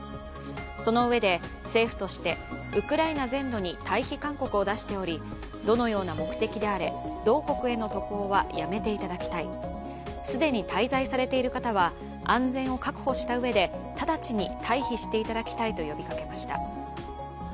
そのうえで、政府としてウクライナ全土に退避勧告を出しており、どのような目的であれ同国への渡航はやめていただきたい既に滞在されている方は安全を確保したうえで直ちに退避していただきたいと呼びかけました。